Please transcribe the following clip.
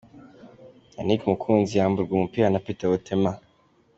Yannick Mukunzi yamburwa umupira na Peter Otema.